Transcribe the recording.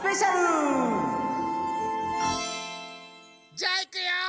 じゃあいくよ！